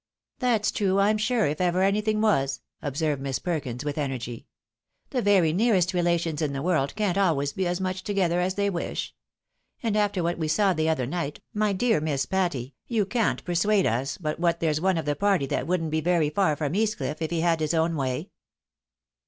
" That's true, I'm sure, if ever anything was," observed Miss Perkins, with energy. " The very nearest relations in the world can't always be as much together as they wish. And after what we saw the other night, my dear Miss Patty, you can't persuade us but what there's one of the party that wouldn't be very far from East Cliff, if he had his own way."